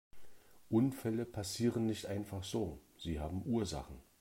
Unfälle passieren nicht einfach so, sie haben Ursachen.